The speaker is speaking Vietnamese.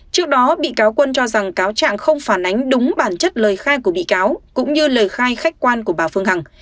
trước đó bị cáo quân cho rằng cáo trạng không phản ánh đúng bản chất lời khai của bị cáo cũng như lời khai khách quan của bà phương hằng